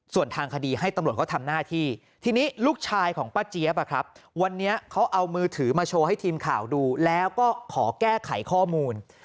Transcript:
ส่วนทางคดีให้ตำรวจเขาทำหน้าที่ทีนี้ลูกชายของป้าเจี๊ยบวันนี้เขาเอามือถือมาโชว์ให้ทีมข่าวดูแล้วก็ขอแก้ไขข้อมูล